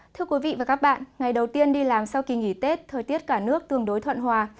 thưa quý vị và các bạn ngày đầu tiên đi làm sau kỳ nghỉ tết thời tiết cả nước tương đối thuận hòa